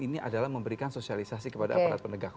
ini adalah memberikan sosialisasi kepada aparat penegak hukum